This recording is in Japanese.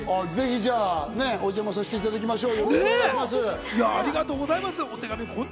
じゃあ、お邪魔させていただきましょう。